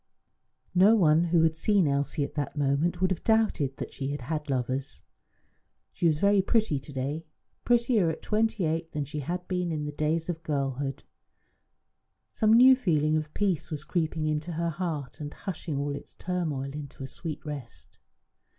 No one who had seen Elsie at that moment would have doubted that she had had lovers. She was very pretty to day; prettier at twenty eight than she had been in the days of girlhood. Some new feeling of peace was creeping into her heart and hushing all its turmoil into a sweet rest.